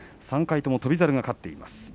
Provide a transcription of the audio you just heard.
３回とも翔猿が勝っています。